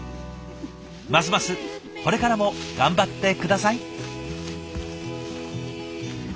ますますこれからも頑張って下さい。